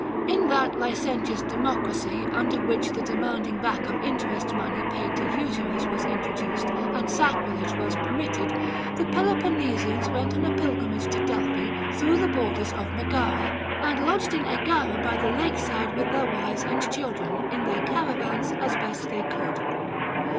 In that licentious democracy under which the demanding back of interest money paid to usurers* was introduced and sacrilege was permitted, the Pelopon nesians went on a pilgrimage to Delphi through the bor ders of Megara, and lodged in Aegira by the lake side with their wives and children, in their caravans, as they best could.